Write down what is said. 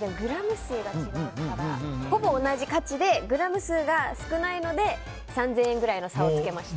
でもグラム数が違うからほぼ同じ価値でグラム数が少ないので３０００円ぐらいの差をつけました。